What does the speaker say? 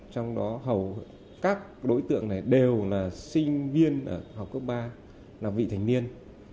trong đó hầu các đối tượng này đều là sinh viên ở học cấp ba là vị thành niên